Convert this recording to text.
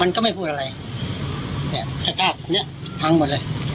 มันก็ไม่พูดอะไรเนี้ยแค่กล้าปุ่นเนี้ยพังหมดเลย